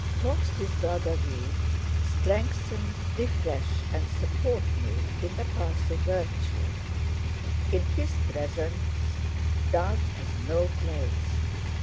Talks with Brother V. strengthen, refresh, and support me in the path of virtue. In his presence doubt has no place.